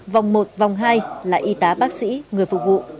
vòng một vòng hai là y tá bác sĩ người phục vụ